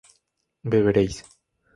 beberéis